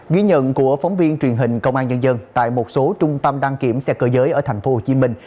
ghi nhận của phóng viên truyền hình công an nhân dân tại một số trung tâm đăng kiểm xe cơ giới ở thành phố hồ chí minh